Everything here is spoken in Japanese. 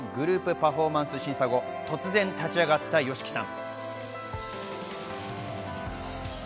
パフォーマンス審査後、突然立ち上がったＹＯＳＨＩＫＩさん。